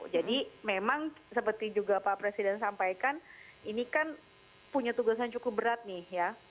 jadi memang seperti juga pak presiden sampaikan ini kan punya tugasan cukup berat nih ya